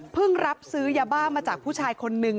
รับซื้อยาบ้ามาจากผู้ชายคนนึง